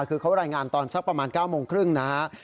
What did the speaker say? คือเขารายงานตอนสักประมาณ๙โมงเช้า